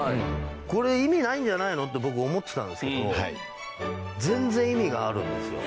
これ意味ないんじゃないの？って僕思ってたんですけど全然意味があるんですよ。